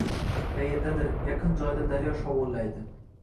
Qayerdadir, yaqin joyda daryo shovullaydi.